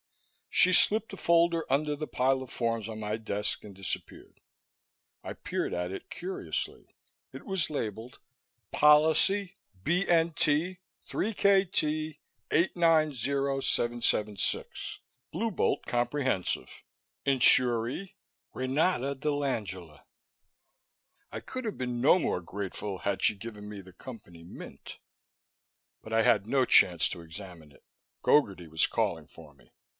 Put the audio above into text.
She slipped a folder under the piles of forms on my desk and disappeared. I peered at it curiously. It was labeled: "Policy BNT 3KT 890776, Blue Bolt Comprehensive. Insuree: Renata dell'Angela." I could have been no more grateful had she given me the Company Mint. But I had no chance to examine it. Gogarty was calling for me.